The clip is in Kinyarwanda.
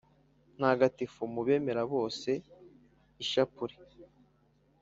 ntagatifu mu bemera bose. ishapule,